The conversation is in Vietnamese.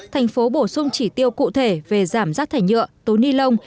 thành phố bổ sung chỉ tiêu cụ thể về giảm rác thải nhựa tố ni lông